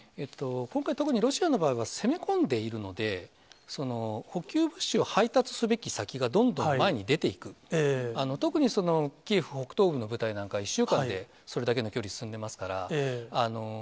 今回、特にロシアの場合は攻め込んでいるので、補給物資を配達すべき先が、どんどん前に出ていく、特にキエフ北東部の部隊なんか、１週間でそれだけの距離進んでいますから。